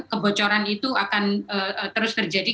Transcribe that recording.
kebocoran itu akan terus terjadi